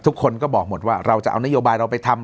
ทุกคนก็บอกหมดว่าเราจะเอานโยบายเราไปทำ